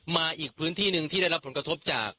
มาอีกพื้นที่หนึ่งที่ได้รับผลกระทบจาก